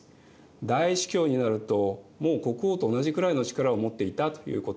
大司教になるともう国王と同じくらいの力を持っていたということもありました。